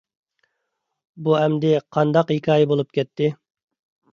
بۇ ئەمدى قانداق ھېكايە بولۇپ كەتتى؟